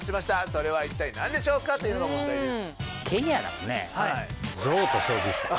それは一体なんでしょうか？というような問題です。